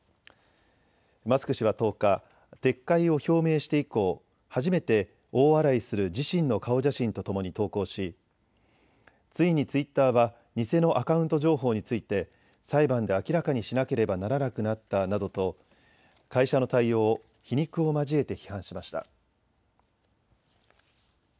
マスク氏は１０日、撤回を表明して以降、初めて大笑いする自身の顔写真とともに投稿し、ついにツイッターは偽のアカウント情報について裁判で明らかにしなければならなくなったなどと会社の対応を皮肉を交えて批判しました。